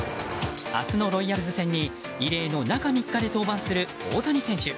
明日のロイヤルズ戦に異例の中３日で登板する大谷選手。